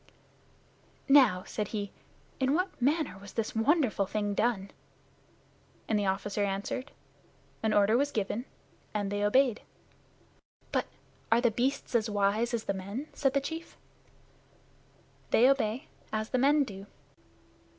"Now," said he, "in what manner was this wonderful thing done?" And the officer answered, "An order was given, and they obeyed." "But are the beasts as wise as the men?" said the chief. "They obey, as the men do.